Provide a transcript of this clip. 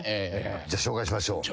じゃあ紹介しましょう。